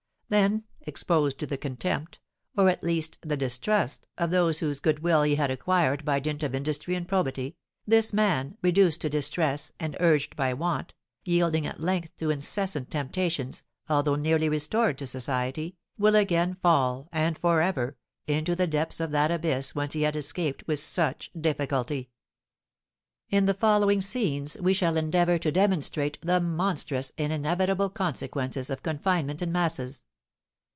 Then, exposed to the contempt, or, at least, the distrust, of those whose good will he had acquired by dint of industry and probity, this man, reduced to distress, and urged by want, yielding at length to incessant temptations, although nearly restored to society, will again fall, and for ever, into the depths of that abyss whence he had escaped with such difficulty. In the following scenes we shall endeavour to demonstrate the monstrous and inevitable consequences of confinement in masses.